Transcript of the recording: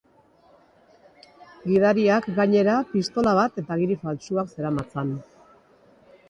Gidariak, gainera, pistola bat eta agiri faltsuak zeramatzan.